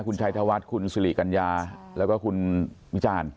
คุณชัยธวัฒน์คุณสิริกัญญาแล้วก็คุณวิจารณ์